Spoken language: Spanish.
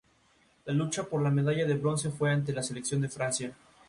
Cuenta con dos patios y una amplia zona ajardinada de límites algo indeterminados.